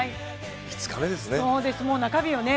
５日目ですね。